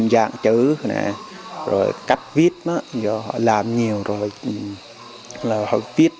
đã được mở tại đây